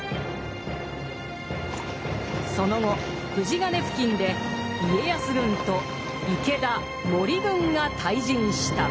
その後富士ヶ根付近で家康軍と池田・森軍が対陣した。